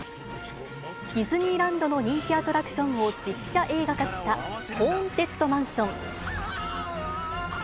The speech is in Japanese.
ディズニーランドの人気アトラクションを実写映画化した、ホーンテッドマンション。